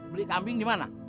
beli kambing di mana